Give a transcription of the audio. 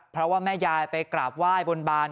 เพราะว่าแม่ยายไปกราบไหว้บนบาน